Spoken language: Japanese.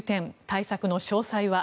対策の詳細は？